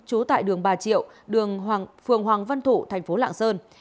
trú tại đường bà triệu đường phường hoàng văn thụ thành phố lạng sơn